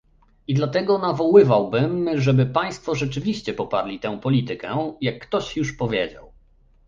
I dlatego nawoływałabym, żeby państwo rzeczywiście poparli tę politykę, jak ktoś już powiedział